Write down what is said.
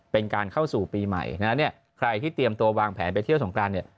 เป็นการเข้าสู่ปีใหม่ใครที่เตรียมตัววางแผนไปเที่ยวสงครานเนี่ย